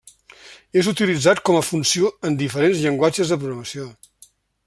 És utilitzat com a funció en diferents llenguatges de programació.